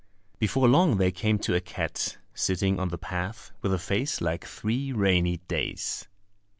Before long they came to a cat, sitting on the path, with a face like three rainy days!